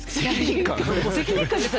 もう責任感ですよ